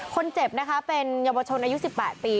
คนเจ็บนะคะเป็นเยาวชนอายุ๑๘ปี